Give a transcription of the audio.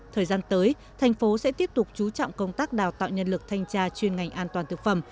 thời gian tới thành phố sẽ tiếp tục chú trọng công tác đào tạo nhân lực thanh tra chuyên ngành an toàn thực phẩm